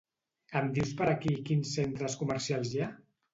Em dius per aquí quins centres comercials hi ha?